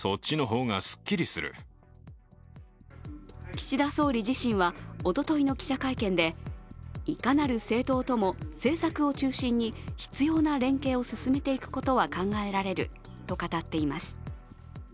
岸田総理自身はおとといの記者会見でいかなる政党とも政策を中心に必要な連携を進めていくことは考えられると語っています。